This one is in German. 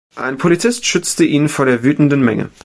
Ein Polizist schützte ihn vor der wütenden Menge.